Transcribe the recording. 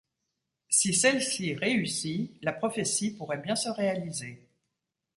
Si celle-ci réussit, la prophétie pourrait bien se réaliser.